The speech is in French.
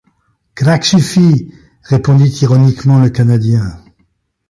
Craque suffit, répondit ironiquement le Canadien.